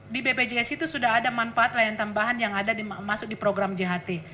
di bpjs itu sudah ada manfaat lain tambahan yang ada masuk di program jht